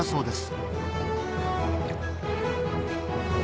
そうです。